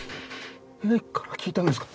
零花から聞いたんですか？